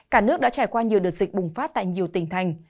cả nước đã trải qua nhiều đợt dịch bùng phát tại nhiều tỉnh thành